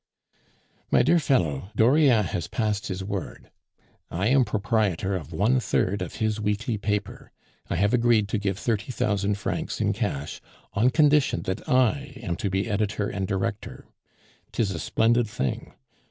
"My dear fellow, Dauriat has passed his word; I am proprietor of one third of his weekly paper. I have agreed to give thirty thousand francs in cash, on condition that I am to be editor and director. 'Tis a splendid thing.